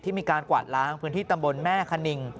มีการกวาดล้างพื้นที่ตำบลแม่คณิง